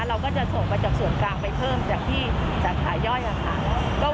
เราก็จะส่งมาจากส่วนกลางไปเพิ่มจากที่สาขาย่อยค่ะ